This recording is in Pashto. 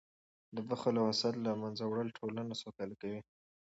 د بخل او حسد له منځه وړل ټولنه سوکاله کوي.